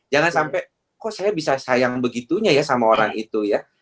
jangan sampai kok saya bisa sayang begitunya ya sama orang itu ya